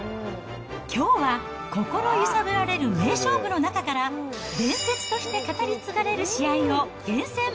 きょうは、心揺さぶられる名勝負の中から、伝説として語り継がれる試合を厳選。